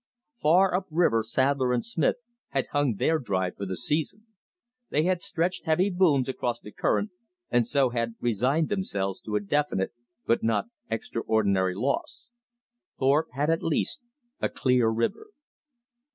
Far up river Sadler & Smith had hung their drive for the season. They had stretched heavy booms across the current, and so had resigned themselves to a definite but not extraordinary loss. Thorpe had at least a clear river.